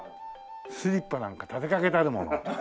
スリッパなんか立てかけてあるもの。